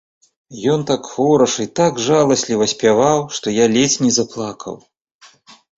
Ён так хораша і так жаласліва спяваў, што я ледзь не заплакаў.